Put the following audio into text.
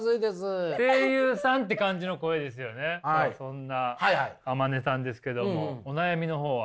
そんな天希さんですけどもお悩みの方は？